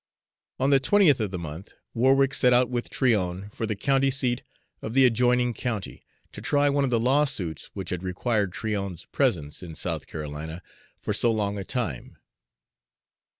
On the twentieth of the month, Warwick set out with Tryon for the county seat of the adjoining county, to try one of the lawsuits which had required Tryon's presence in South Carolina for so long a time.